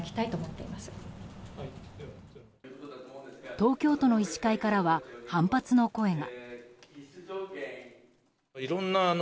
東京都の医師会からは反発の声が。